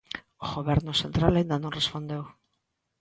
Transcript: O Goberno central aínda non respondeu.